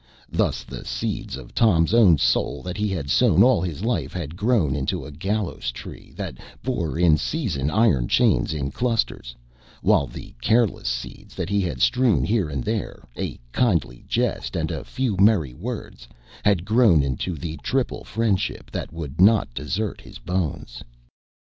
Thus the seeds of Tom's own soul that he had sown all his life had grown into a Gallows Tree that bore in season iron chains in clusters; while the careless seeds that he had strewn here and there, a kindly jest and a few merry words, had grown into the triple friendship that would not desert his bones.